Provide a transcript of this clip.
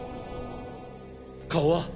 顔は？